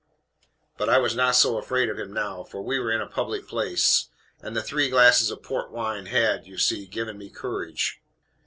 But I was not so afraid of him now, for we were in a public place; and the three glasses of port wine had, you see, given me courage.